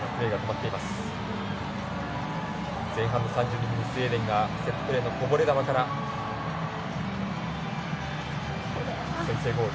前半の３２分、スウェーデンがセットプレーのこぼれ球から先制ゴール。